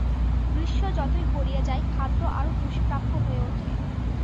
গ্রীষ্ম যতই গড়িয়ে যায়, খাদ্য আরও দুষ্প্রাপ্য হয়ে ওঠে।